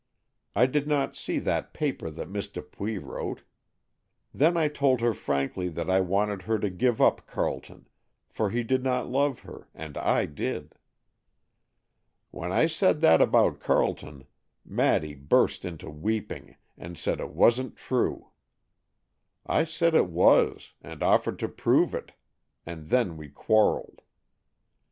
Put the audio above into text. I did not see that paper that Miss Dupuy wrote. Then I told her frankly that I wanted her to give up Carleton, for he did not love her and I did. When I said that about Carleton, Maddy burst into weeping, and said it wasn't true. I said it was, and offered to prove it, and then we quarrelled.